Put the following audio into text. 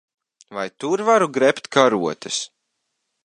Vai tur varu grebt karotes?